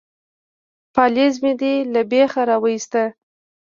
_پالېز مې دې له بېخه را وايست.